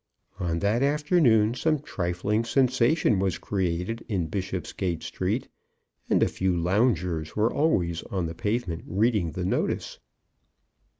On that afternoon some trifling sensation was created in Bishopsgate Street, and a few loungers were always on the pavement reading the notice.